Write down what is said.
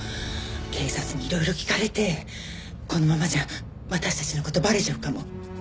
警察にいろいろ聞かれてこのままじゃ私たちの事バレちゃうかも。